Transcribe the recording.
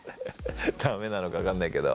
ダメなのか分かんないけど。